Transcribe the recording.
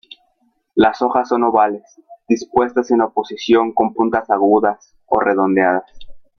Las hojas son ovales dispuestas en oposición con puntas agudas o redondeadas.